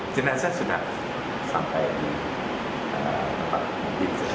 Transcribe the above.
jenazah sudah sampai di tempat mimpi jenazah